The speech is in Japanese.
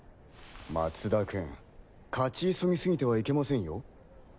松田君勝ち急ぎすぎてはいけませんよ。